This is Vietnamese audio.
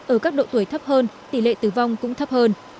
ở các độ tuổi thấp hơn tỷ lệ tử vong cũng thấp hơn